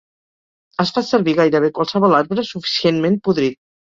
Es fa servir gairebé qualsevol arbre suficientment podrit.